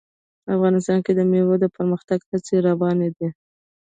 افغانستان کې د مېوې د پرمختګ هڅې روانې دي.